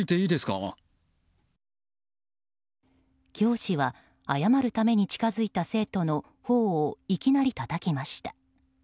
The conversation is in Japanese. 教師は、謝るために近づいた生徒の頬をいきなりたたきました。